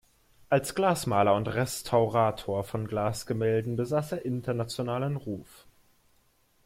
Als Glasmaler und Restaurator von Glasgemälden besaß er internationalen Ruf.